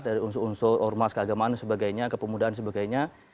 dari unsur unsur ormas keagamaan dan sebagainya ke pemudaan dan sebagainya